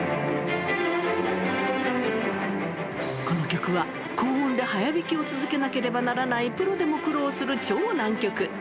この曲は高音で速弾きを続けなければならない、プロでも苦労する超難曲。